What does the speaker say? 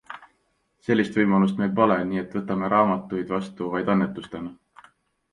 Sellist võimalust meil pole, nii et võtame raamatuid vastu vaid annetustena.